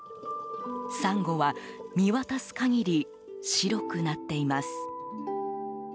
サンゴは見渡す限り白くなっています。